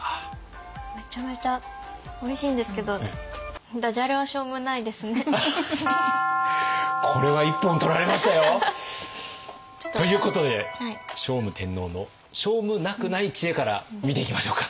めちゃめちゃおいしいんですけどこれは一本取られましたよ！ということで聖武天皇のしょうむなくない知恵から見ていきましょうか。